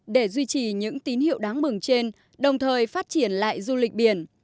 để duy trì những tín hiệu đáng mừng trên đồng thời phát triển lại du lịch biển